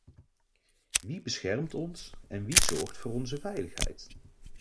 Wie beschermt ons en wie zorgt voor onze veiligheid?